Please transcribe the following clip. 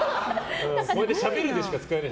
しゃべりでしか使えない。